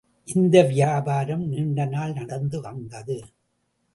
இந்த வியாபாரம் நீண்டநாள் நடந்து வந்தது.